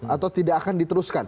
atau tidak akan diteruskan